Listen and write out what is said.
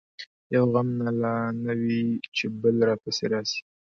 یو غم نه لا نه وي چي بل پر راسي